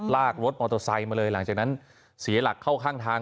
ลากรถออโตซัยมาเลยหลังจากนั้นเสียหลักเข้าข้างทาง